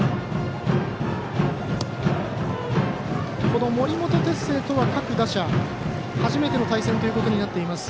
この森本哲星とは各打者初めての対戦となっています。